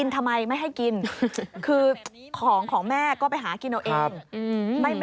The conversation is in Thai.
ทำไมไม่ให้กินคือของของแม่ก็ไปหากินเอาเอง